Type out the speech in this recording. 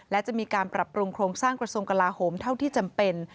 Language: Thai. และจะมีการปรับปรุงโครงสร้างกระทรวงกลาโหมเท่าที่จำเป็น